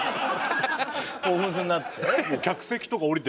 興奮するなっつって？